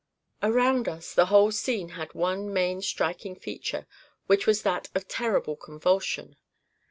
"'Around us, the whole scene had one main striking feature, which was that of terrible convulsion.